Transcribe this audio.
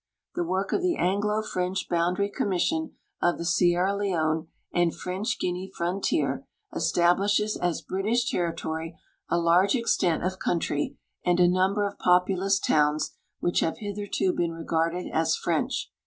The work of the Anglo French Boundary Commission of the Sierra Leone and French Guinea frontier establishes as British territory a large extent of country and a number of populous towns which have hitherto been regarded as French.